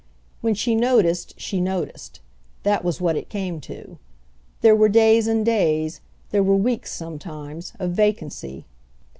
When she noticed she noticed; that was what it came to. There were days and days, there were weeks sometimes, of vacancy.